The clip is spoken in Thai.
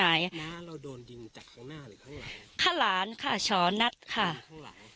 น้าเราโดนยิงจากข้างหน้าหรือข้างหลังข้างหลานค่ะช้อนัดค่ะข้างหลัง